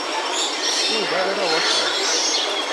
O lugar era ótimo.